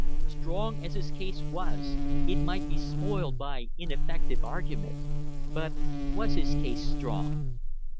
Strong as his case was, it might be spoiled by ineffective argument. But was his case strong?